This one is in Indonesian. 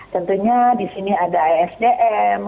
tentunya di sini ada isdm